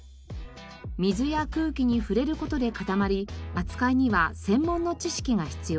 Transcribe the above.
水や空気に触れる事で固まり扱いには専門の知識が必要です。